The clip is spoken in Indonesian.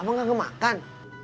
abang gak kemakan